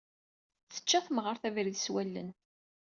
Tečča temɣart abrid s wallen.